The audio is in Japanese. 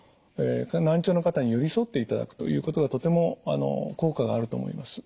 難聴の方に寄り添っていただくということがとても効果があると思います。